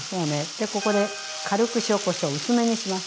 でここで軽く塩・こしょう薄めにします。